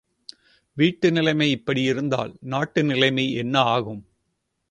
வீட்டு நிலைமை இப்படி இருந்தால், நாட்டுநிலைமை என்ன ஆகும்?